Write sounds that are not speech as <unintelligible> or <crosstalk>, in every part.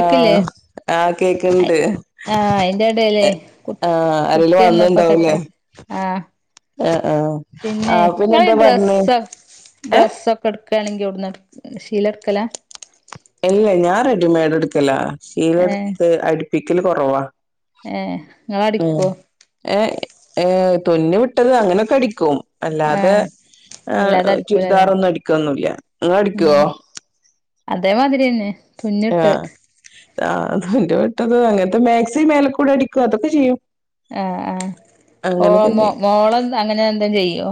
ആഹ ആ കേക്കണ്ട് ആഹ് അയിന്റെ എടേല് കു ആഹ അരെലും കുട്ടി വന്നപ്പോ വന്നണ്ടാവൂലേ കട്ടാക്കി ആഹ് ആ ആഹ ആ പിന്നെ എന്താ പറഞ്ഞേ ഏ എന്തോക്കയാണെങ്കിൽ അവിടുന്ന് ശീല എടക്കല ഇല്ല ഞാൻ റെഡിമെയഡ് എടുക്കല ശീലടുത്ത് അടു- പിക്കല് കുറവാ ഏർ ങ്ങ അടിക്കുവോ തൊന്നി വിട്ടത് അങ്ങനെൊക്കെ അടിക്കും അല്ലാതെ ഏഹ് ഹ അല്ലാതെ അടിക്കൂലല്ലേ ചുരിദാറൊന്നും അടിക്കൊന്നുമല്ല അടിക്കുവോ ഉം അതേമാതിരിന്നെ തുഞ്ഞിട്ട് ആ് അത എന്റെ വെട്ടു ഒന്നും അല്ലേ അങ്ങനത്തെ മാക്സി മേലെക്കൂടെ അടിക്കും അതൊക്കെ ചെയ്യും ആഹ അങ്ങനെയൊക്കെ ആ ോ മോളം അങ്ങനെ എന്ത ചെയ്യോ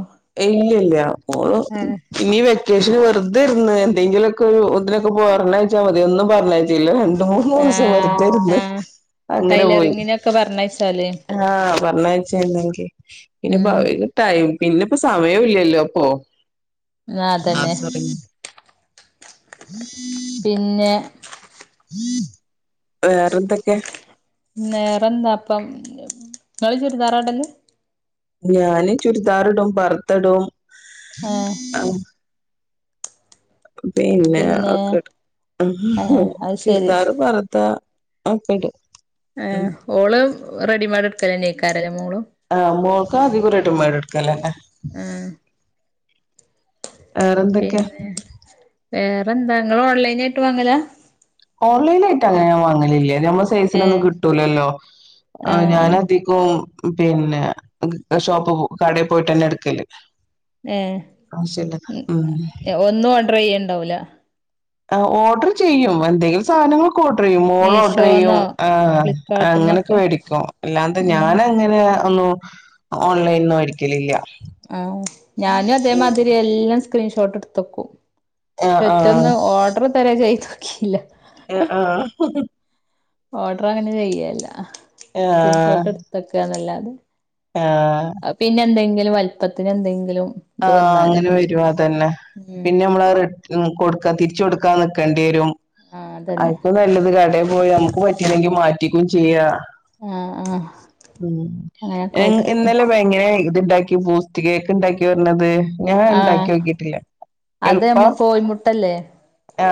ഇല്ല ഓ ആഹ് ഇനി വരില്ല സ്റ്റേഷനിൽ വെറുതെ ഇരുന്നു എന്തെങ്കിലൊക്കെ ഒന്നതിനൊക്കെ പോ പറെച്ചാൽ ഒന്നും വേണ്ട ഇല്ലേ മൂന്ന് ദിവസം ആഹ് വതന്ന് ആഹ് അങ്ങനെ പോയി ടൈലറിങ്ങിനൊക്കെ പറഞ്ഞയച്ചാല് ആഹ പറഞ്ഞച്ചങ്ക പിന്നപ്പോ ഉം ടൈം പിന്നെ സമയം ഇല്ലല്ലോ അപ്പൊ ആഹ് ആഹ അതന്നെ ശരി ഉം പിന്നെ വേറെന്തൊക്കെ വേറെ എന്താ അപ്പം ഇങ്ങള് ചുരിദാർ ആണ് ഇട്ടത് ഞാന് ചുരിദാറിടും പർദ്ദ ഇടും ആഹ് ആ പിന്നെ ഏഹ് അത് ശരി ചുരിദായും, പർദ്ദ ആപ്പടി <inaudible> ആഏ ഓള് റെഡിമെയ്ഡ്എടുക്കലേ തൈക്കാറ് ആഹ മോ ആ അതിൂറെ ഡിമെയ്ഡ് എടുക്കലെന്നെ ആഹ വേറെന്തൊക്കെയാ വേറെന്താ നിങ്ങ ഓൺലൈന ആയിട്ട് വാങ്ങല ഓൺലൈനായിട്ട് അങ്ങനെ വങ്ങലില്ലേ മ്മ സൈസിനൊന്നും ഏഹ് കിട്ടൂലല്ലോ ആഹ് ഞാന ആഹ് അധികം പിന്നെ ഷോപ്പ് കടയിൽ പോയിട്ട്ന്നെ എടുക്കല് ഏ ആവശ്യല്ല ഉം ഒന്നും ഓഡർ ചെയ്യണ്ട ഉണ്ടാവല ഓർഡർ ചെയ്യും എന്തെങ്കിലും സാധനങ്ങൾ ഓർഡർചെയ്യും മോള ഓർഡർ ചെയ്യും മീഷോന്നോ ആ അങ്ങനെയൊക്കെ ഫ്ലിപ്കാർട്ട്ന്നൊക്കെ മേടിക്കും അല്ലാത ഉം ഞാൻങ്ങനെ ഒന്നും ഓൺലൈന ഒന്നും മേടിക്കലില്ല ആഹ ഞാനും അതേമാതിരി എല്ലാം സ്ക്രീഷോട്ട് എടുത്തോക്കും ആഹ് പെട്ടെന്ന്ഓർഡർ തരാ ചെയ്തു ഇല്ല ആ ആഹ ഓർഡർ അങ്ങനെ ചെയ്യല്ല ആഹ് സ്ക്രീൻഷോട്ട് എടുത്തൊക്കെ നല്ല ഉ ആഹ് ആഹ് പിന്നെ എന്തെങ്കിലും വല്പത്തിന് എന്തെങ്കിലും ആ ഇത് വന്നാല് അങ്ങനെ വരും അതന്നെ ഉം പിന്നെ നമ്മല് റിട്ട കൊടുക്കാ തിരിച്ചു കൊടുക്ക ക്കാൻനടകണ്ടിരും ആഹ് അതന്നെ ആയിക്ക് നല്ലത് കട പോയി നമുക്ക് പറ്റല്ലെങ്കിൽ മാറ്റിക്കയും ചെയ്യാം ആഹ് ആഹ് ഉ അങ്ങനെയൊക്കെ പറ്റും ഇന്നലെ ഭയങ്ങന ഉണ്ടാക്കി ബൂസ്റ്റ് കേക്ക് ഉണ്ടാക്കി ന്ന്പറഞ്ഞത് ഞാൻ ആഹ് ഉണ്ടാക്കി നോക്കിട്ടില്ലേ അത് എളുപ്പ നമ്മ കോഴിമുട്ടല്ലേ ആ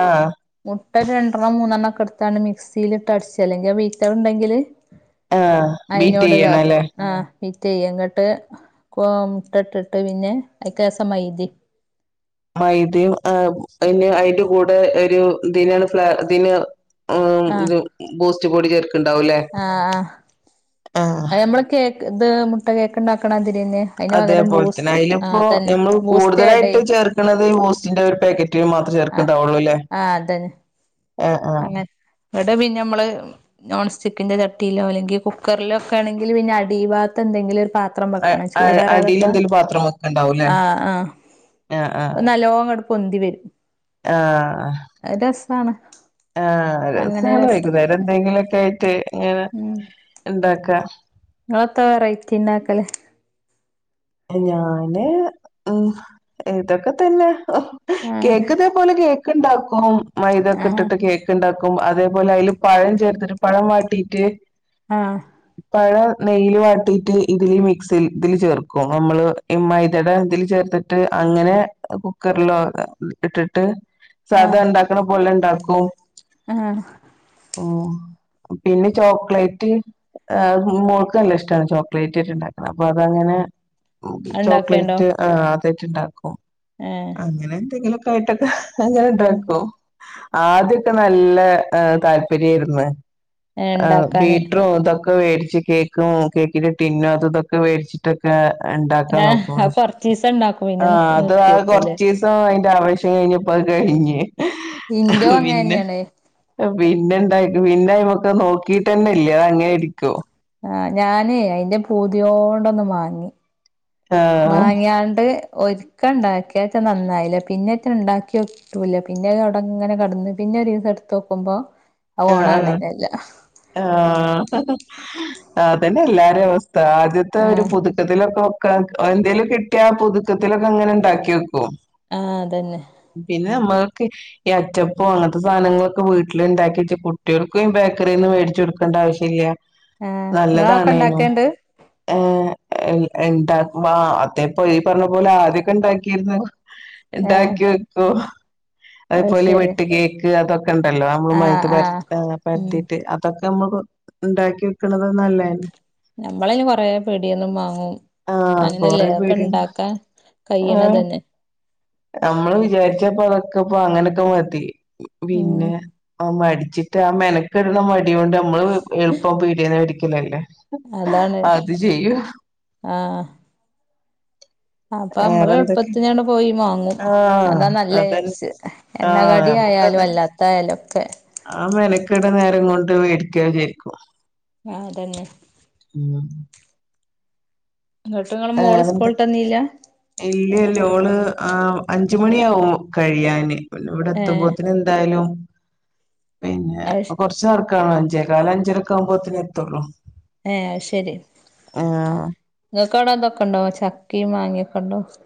മുട്ട രണ്ടെണ്ണം മൂന്നെണ്ണം ഒക്കെ എടുത്താണ് മിക്സിൽ ഇട്ട് അടിച്ച അല്ലെങ്കിൽ ബീറ്റർ ഉണ്ടെങ്കില് ആ ബീറ്റ് അയിനോട് ചെയ്യണം ഇതാക്ക അല്ലേ ആഹ് ബീറ്റ് ചെയ്യ ന്നിട്ട് കൊ ഇട്ടട്ടിട്ട് പിന്നെ അഐക്കസം മൈദെ മൈദയും ആ അയിന് അയിൻ്റ കൂടെ ഒരു ഇതിനാണ് ഫ്ലേ ഇതിന് ആ ആഹ് <unintelligible> ണ്ടാവൂല്ലേ ആ ഞമ്മള് കേ ഇത് മുട്ടാ കേക്ക്ണ്ടാടാക്കണ അതി അതേപോലെ തന്നെ അതില് ഇപ്പോ അതന്നെ നമ്മൾ ബൂസ്റ്റ് ആഡ് ചെയ് കൂടുതലായിട്ട് ചേർക്കണത് ഈ ബൂസ്റ്റിന്റെ ഒരു പാക്കറ്റ് മാത്രം ആ ചേർക്കണ്ടാവള്ളൂല്ലേ ആ അതന്നെ ആ ആ അങ്ങനെ ഇവിടെ പിന്നെ നമ്മള് നോൺ സ്റ്റിക്കിന്റെ ചട്ടിയിലോ അല്ലെങ്കിൽ കുക്കറിലോ ഒക്കെ ആണെങ്കിൽ പിന്നെ അടിഭാഗത്ത എന്തെങ്കിലും പാത്രം വെക്കണം അ അടിൽ ചൂടേറിയതൊക്കെ എന്തെലും പാത്രം വെക്കെ ഇണ്ടാവും അല്ലെ ആ ആ ആ ആ അപ്പൊ നല്ലോണം അങ്ങട് പൊന്തി വരും രസാണ് ആ അങ്ങനെ രസാണ് രസം വൈകുന്നേരം എന്തെങ്കിലൊക്കെ <unintelligible> അങ്ങനെ ഇണ്ടാക്ക ക്ക നിങ്ങളത്ത വേറയിറ്റിണ്ടാക്കല് ഞാന് ഉം ഇതൊക്കെ തന്നെ ആ കേക്ക് ഇതേ പോലെ കേക്ക് ക്കണ്ടാവും പ്പം ആ മൈദക്കെ ഇട്ടിട്ട് കേക്ക് ഇണ്ടാക്കും ക്കും അതേപോലെ അതില് പഴം ചേർത്തിട്ട് പഴം വാട്ടിറ്റ് ആ നെയ്യല് വാട്ടിയിട്ട് ഇതില് മിക്സ് ചെയ്യും ഇതിൽ ചേർക്കും നമ്മള് ഈ മൈദയുടെ ഇതിൽ ചേർത്തിട്ട് അങ്ങനെ കുക്കറിലോ ഇട്ടിട്ട് ആ സാധ ഇണ്ടാക്കണ പോലെ ഇണ്ടാ <unintelligible> ക്കും ആ ഓ പിന്നെ ചോക്ലേറ്റ് ആ മോൾക്ക് നല്ല ഇഷ്ടാണ് ചോക്ലേറ്റിട്ട് ഇണ്ടാക്കണ അപ്പൊ അതങ്ങനെ ഓ ഉണ്ടാക്കേണ്ടോ ചോക്ലേറ്റ് ആ വച്ചുണ്ടാക്കും ഏ അങ്ങനെ എന്തെങ്കിലുഒക്കെ കയട്ടക്ക ഉം അങ്ങനെണ്ടക്കോ ആതിയൊക്കെ നല്ല ഹ് താൽ ല്പര്യമായിരുന്നു അ ഇണ്ടാക്കാന് ബീട്ടറുംതോ വേടിച്ച് കേക്കും കേക്കിന്റെ ടിന്നും അത് ഇതൊക്കെ വേടിച്ചിട്ട് ക ഉണ്ടാക്കാൻ നോക്കും അത് പക്ഷെ കൊറച്ചീസം ഇണ്ടാക്കും പിന്നെ ആ അത് നിർത്തി ആ വെക്കൂല്ലേ കൊറച്ചീസം എന്റെ ആവശ്യം കഴിഞ്ഞപ്പോഅത് കഴിഞ്ഞ് ഇന്റോ അങ്ങ ന്നെണ് പിന്നെണ്ട പിന്നെആയിമക്ക് നോക്കിട്ടന്നെ ഇല്ലേ അത് അങ്ങനെഇരിക്കും ആ ഞാന് അയിന്റെ പൂതിയോണ്ടൊന്ന് വാങ്ങി ആഹ് മാങ്ങിയാണ്ട് ഒരിക്ക ഉണ്ടാക്കിന്റനന്നായില്ല പിന്നെന്റെ ഉണ്ടാക്കിനോക്കിട്ടുലിയ പിന്നെ അവിടെ ഇങ്ങനെ കടന്നു പിന്നെ ഒരു ദിവസം എടുത്ത നോക്കുമ്പോ അത് ആ ഓണാവ്ണന്നെല്ല ആ ആ അതന്നെ എല്ലാർ അ <inaudible> ആത്ത ദ്യത്തെ ഒരു ആഹ് പുതുക്കത്തിലൊക്കെ എന്തേലും കിട്ടിയാ പുതുക്കത്തിലൊക്കെ അങ്ങനെ ഉണ്ടാക്കി ഓക്കും ആ അതന്നെ പിന്നെ നമ്മക്ക്ഈ അച്ചപ്പം അങ്ങനത്തെ സാധനങ്ങളൊക്കെ വീട്ടില് ഇണ്ടാക്കി വച്ച കുട്ടികൾക്കും ബേക്കറിന്നും മേടിച്ചു കൊടുക്കേണ്ട ആവശ്യമില്ല ആഹ് ഇങ്ങളൊക്കെ നല്ലതാണേനോ ഇണ്ടാക്കേണ്ട് ഏ എല് എന്താ വാ അതപ്പോയി പറഞ്ഞ പോലആദ്യയൊക്കെ ഇണ്ടാക്കിരുന്നു ഏ ഓഹ് അതു പോലെ വെട്ട് കേക്ക് അതൊക്കെ ഉണ്ടല്ലോ നമ്മൾ ആഹ് മൈത പര ആഹ് ഉം പരത്തിയിട്ട് അതൊക്കെ നമ്മൾ ഉണ്ടാക്കി വിക്കുന്നത് നല്ലതല്ലേ നമ്മളയിന് കൊറെ പീടിന്നും വാങ്ങും ആഹ് അങ്ങനെല്ലേ കൊറെ ഒക്കെ പേര് ഇണ്ടാക്കാൻ ആഹ് കൈയണതന്നെ നമ്മള് വിചാരിച്ചപ്പോ അതൊക്കെപ്പോ അങ്ങനെക്കെ മതി ഉം പിന്നെ ആ മ ടിച്ചിട്ട് ആ മെനക്കെടുന്നമ ടിയോണ്ട് നമ്മള് എളുപ്പംപീടീന്ന് ക്ക്ണല്ലേ ഹ് അതാണ് അത് ചെയ്യൂ ആഹ് അപ്പൊ നമ്മള് എളുപ്പത്തി ഞാണ് പോയി മ ആ അതന്നെ ആ എണ്ണകടി ആയാലും നമുക്കതന്ന അല്ലാത്തായാലും ഒക്കെ ആ മെനക്കെട് നേരം കൊ വെടിക്കതിരിക്കും ആതന്നെ വേറെന്താ സ്കൂള്ട്ടന്നീല്ല ഇല്ല്യ ഓള് ആ അഞ്ച മണിയാാവും കഴിയാന് പിന്നെ ഇവിടെ ഏഹ് എത്തുമ്പോത്തിന് എന്തായാലും പിന്നെ അത് ശ കൊറച്ചർക്ക് ണോ അഞ്ചോകാൽ, അഞ്ചരക്ക് ആവ്പോത്തിന് എത്തുള്ളൂ ആഹ ശരി ആ, കക്കടതൊക്കെണ്ടാവും ചക്കി മാങ്ങയും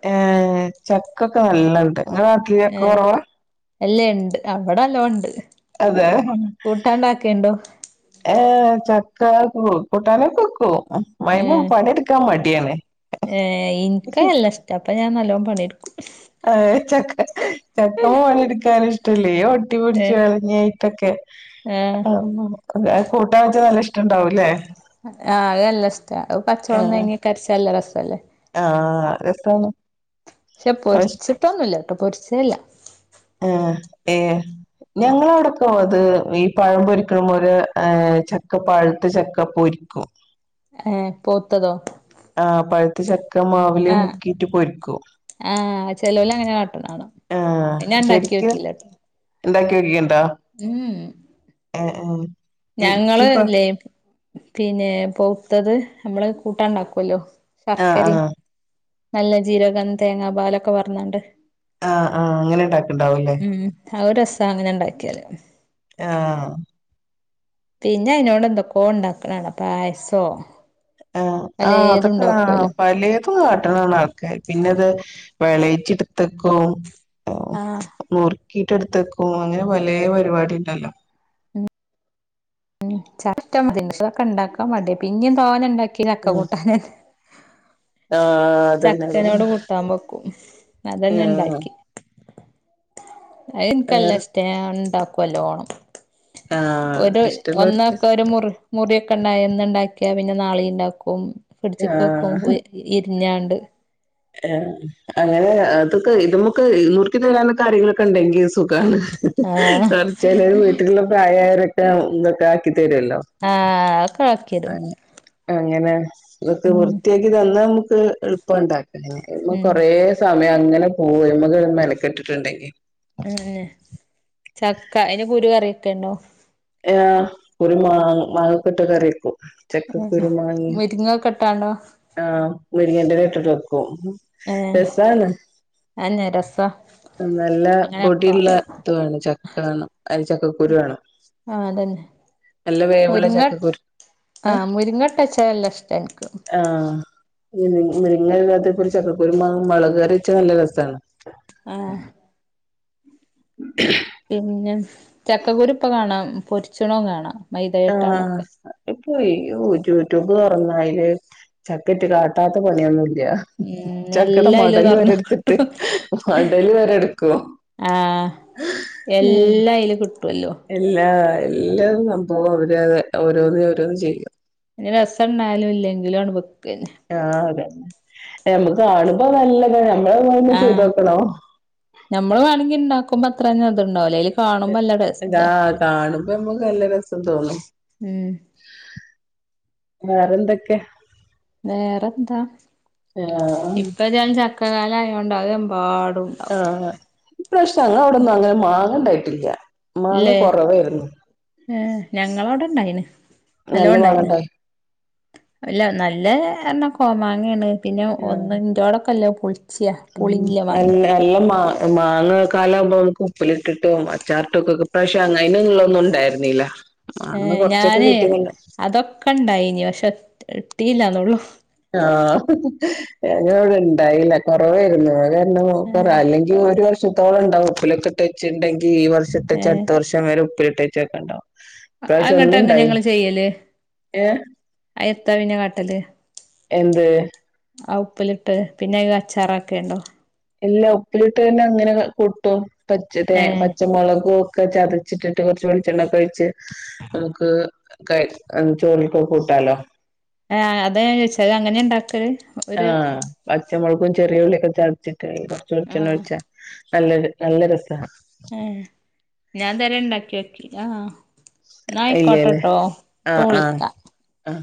ആഏ ചക്ക നല്ലണ്ട് ആഹ <unintelligible> എല്ല ഉണ്ട് അവിടെല്ലാം ഉണ്ട് അതെ ഏ ക കുട്ടാനോക്കെ വയ്ക്കുമോ മൈമം ഏഹ് പണിെടുക്കാ മാട്ടിയാനെ ഏഹ് ഇൻക്ക് നല്ല ഇഷ്ടാ അപ്പൊ ഞാൻ പണി എടുക്കും അ ചക്ക ചക്കവും പണ എടുക്കാ <unintelligible> റ് ഇഷ ഒട്ടിപൊടിച്ചു ഏഹ് കളങ്ങായിട്ടൊക്കെ ആഹ് ആ അ കൂട്ടൻ വെച്ചാ നല്ല ഇഷ്ട ഉണ്ടാവൂല്ലേ ആല്ല പച്ചവളംുംാങ്ങി കരച്ചാലല്ല റസം <unintelligible> അല്ലേ ആഹ രസമാണ് പക്ഷെ പൊരിച്ചിട്ടൊന്നുമല്ല പൊരിച്ചല്ല ആഏ ഏ ഞങ്ങളവിടെക്കെ അത് ഈ പഴമ്പൊൊരിക്കണ്പോ ചക്ക പഴുത്ത ചക്കപ്പൊരിക്കും ഹ പോത്തതോ ആ പഴുത്ത ചക്ക ഒക്കെ മാവിലെ ആഹ് മുക്കിട്ട് പൊക്കും ആഹ് ചെലോല് അങ്ങനെ കാട്ട്ണ കാണാ ആഹ അത് ഞാൻ ശരിക്കും ഇണ്ടാക്കിയോക്കില്ലട്ടോ ഉണ്ടാക്കി വ <unintelligible> ഉം ആ ആ ഞങ്ങള് ല്ലേ പിന്നെ പോത്തത് നമ്മള് കൂട്ടാണ്ടാക്കല്ലോ ആങ്‌ഹ ആങ്‌ഹ നല്ല ജീരകം തേങ്ങാ പാലൊക്കെ വറഞ്ഞണ്ട് ആങ്‌ഹ ആങ്‌ഹ് അങ്ങനെ ഉണ്ടാക്കണ്ടാവുംല്ലേ ആ ഒരു രസാ അങ്ങനെ എണ്ടാക്കിയാല് ആങ്‌ഹാ പിന്നെ അതിനോട് എന്തൊക്കോ ഉണ്ടാക്കണാണ് പായസോ ആ ആങ്‌ഹ പലേതും അതൊക്കെ ആ ഉണ്ടാക്കുവല്ലോ പലേതും കാട്ടണാണ് ആൾകാർ പിന്നെത് വിളയിച്ചെടുത്തുക്കും ഓ ആഹ് നൂറ് ക്കീട്ട് എടുത്തേക്കും അങ്ങനെ പലേ പരിപാടി ഇണ്ടല്ലോ ഉം ചക്ക മതി ക്ഷെ ഉണ്ടാക്കാൻ മടിയ പിന്നേം തോനെ ഒണ്ടാക്കി നിക്ക് ഉം നക്ക കൂട്ടാനാ <unintelligible> ആഹ് അതന്നെ അതന്നെ ചക്കനോട് കൂട്ടാൻ വെക്കും അതന്നെ ആഹ് എണ്ടാക്കി അയ് എനിക്ക് അല്ലേ വേറെ ഇഷ്ട ഞാൻ ഒണ്ട കൊലോണം ആഹ് ഒരു ഇഷ്ടള്ളോർക്ക് ഒന്നൊക്കെ ഒരു മുറി മുറിയൊക്കെ ണ്ട ഇന്നിണ്ടാക്കിയ പിന്നെ നാളീ ഇണ്ടാക്കും പിടിച്ച് കൊക്കുംപോയെ ഇരിഞ്ഞാണ്ട് ണ്ട് ആ അങ്ങനെ അതൊക്കെ ഇതമ്മുക്ക് ഇ നൂർക്കി തരാനൊക്കെ ആരെങ്കിലുക്കെ എണ്ടെങ്കി സു സുഖാണ് ആഹ് അങ്‌ഹ് <unintelligible> വീട്ടിലുള്ള പ്രായായരൊക്കെ <unintelligible> എന്തൊക്കെ ആക്കി തരുവല്ലോ ആ അക്ക ആക്കിരും <unintelligible> ഇതൊക്കെ ഉം വൃത്തിയാക്കി തന്നാ നമക്ക് <unintelligible> എളുപ്പം ഒണ്ടായി <unintelligible> ഉം കൊറേ സമയം അങ്ങനെ <unintelligible> മെന ക്കെട്ടിട്ടുണ്ടെങ്കി മം മം ചക്ക അയിന്റെ പുരു പറയു ക്കണോ ആഹ് കുറി മാ മാങ്ങെക്കെട്ട് കറിക്കും ചെക്കക്കുരു മാങ്ങി മുരിങ്ങൊക്കെ ഇട്ടാണ്ടോ ആഹ് മുരിങ്ങേന്റെലെട്ടിട്ടു വോം ഏഹ് രസാണ് അതന്നെ രസാ നല്ല അങ്ങനെയൊക്കെ പൊടിള്ള ആഹ് ഇത് വേണം ചക്കവേണം അതി ചക്കക്കുരു വേണം ആഹ് അതന്നെ നല്ല വേവുള്ള മുരിങ്ങട് ചക്കക്കുരു ഏഹ് ആഹ് മുരിങ്ങട്ടച്ചല്ല ഇഷ്ടാനിക്ക് മ്മ് മുരിങ്ങില്ലാത്ത ഒരു ചക്കക്കുരമാങ്ങ മുളകറിച്ചാ നല്ല രസാണ് ആഹ് <unintelligible> പിന്നെ ചക്കക്കുരു ഇപ്പൊ കാണാം പൊരിച്ചുണൊ കാണാം ആഹ് മൈദയിട്ടാണ്ടൊക്കെ പോയി യുറ്റു യൂറ്റുബ് തൊറഞ്ഞാല് ചക്കറ്റ് കാട്ടാത്ത പണിയൊന്നുല്ല- ല്ല ഉം ചക്കടെ എല്ലാം അയില് മടല് വരെ തൊറന്ന് എടുത്തിട്ട് കിട്ടും മടല് വരെ എടുക്കും ആഹ് എല്ലാം അയില് കിട്ടുവല്ലോ എല്ലാ നല്ല സംഭവ അവര് ഓരോന്ന് ഓരോന്ന് ചെയ്യ ഇങ്ങനെ രസം ഇണ്ടായാലും ഇല്ലെങ്കിലും അങ്ങ്ട്- ആഹ് അതെന്നെ ഞമക്ക് കാണുമ്പോ നല്ലിതാണ് ഞമ്മളവന്നഴിമ്പം ആഹ് ചെയ്തോക്കണോ ക്കുമ്പ അത്രന്നതുണ്ടാവില്ലെ എ എതാ കാണുമ്പോ ഞമ്മക്ക് നല്ലരസം തോന്നും ഉം ക്കെ വേറെന്താ ആഹ് ഇപ്പ ഞാൻ ച- കലായോണ്ട് അതെമ്പാടു- ആഹ് ഇപ്രാശം നങ്ങ അവിടൊന്നും അങ്ങനെ മാങ്ങണ്ടായി- ട്ടില്ല്യ ഇല്ലേ ഏഹ് ഞങ്ങളവിടെ ഇണ്ടായിന് നല്ല നല്ലോണ്ടായിന് മാങ്ങണ്ടായി ഇല്ല നല്ല എണ കോമാങ്ങയാണ് പിന്നെ ഒന്ന് ആഹ് ഇറ്റോടൊക്കൊല്ലൊ ഉൾ നല്ല നല്ല മാ മാങ്ങ കാല ആമ്പോ നമക്ക് ഉപ്പിലിട്ടിട്ടും അച്ചാർട്ടും ഒക്കെക്കെ ഇപ്പശ അങ്ങയ്നൊന്നുള്ളൊന്നും ഉണ്ടാര്ന്നീല ഏ ഞാനെ അതൊക്കെണ്ടായിനി പക്ഷെ ഇട്ടീല്ലാന്നെള്ളു ആ ഞങ്ങള് ഇവടെ ഇണ്ടായില്ല കൊറവാരുന്നു അ- ഏഹ് അല്ലെങ്കിൽ ഒരുവർ- സുത്തോള ഉണ്ടാവു ഉപ്പിലൊക്കെക്കിട്ടവെച്ചിണ്ടങ്കി- ഈ ഈ വർഷത്തെച്ചത്ത് വർഷം മേ പിട്ടച്ചക്ക ഉണ്ടാവും ആഹ് ഇങ്ങട്ട് എങ്ങനെ ഇങ്ങള് ചെയ്യല് ഏഹ് ആ എത്താ പിന്നെ കാട്ടല് എന്ത് ആ ഉപ്പിലിട്ട് പിന്നെ അച്ചാറാ ക്കെ ഉണ്ടോ എല്ല ഒപ്പിലിട്ട് തന്നെ അങ്ങനെ കൂട്ടും പച്ചത്തെ ഏഹ് പച്ചമുളകു ഒക്കെ ചതച്ചിട്ടിട്ട് കുറച്ച വെളിച്ചെണ്ണ കഴിച്ച് നമുക്ക് ക ചോളക്കൊെ കൂട്ടാലോ ആഹ അത ഞാ ചച്ചാത് അങ്ങനെ ഉണ്ടാക്കല് ആഹ പച്ചമുളക്കും ചെറിയൂലേ ചച്ച അ കുറച്ചൊളിച്ചണ് ആഹ് ഒഴിച്ച നല്ലൊരു നല്ല രസഹം ആ ഞാൻ ഇതുവരെ ഉണ്ടാക്കി നോക്കില ഇല്ലല്ലേ ഇപ്പൊ ആഹ ആഹ വിളിക്കാം ആഹ